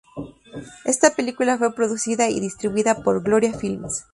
Esta película fue producida y distribuida por Gloria Films.